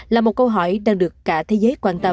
là một câu hỏi đang được cả thế giới quan tâm